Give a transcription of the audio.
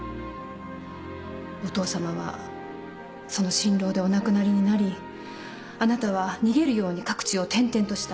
お父さまはその心労でお亡くなりになりあなたは逃げるように各地を転々とした。